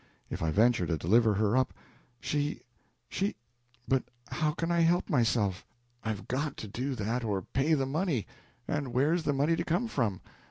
If I venture to deliver her up, she she but how can I help myself? I've got to do that or pay the money, and where's the money to come from?